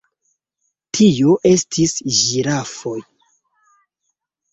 Tio estis ĝirafoj.